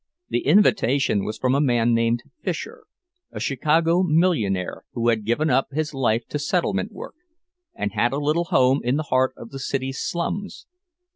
The invitation was from a man named Fisher, a Chicago millionaire who had given up his life to settlement work, and had a little home in the heart of the city's slums.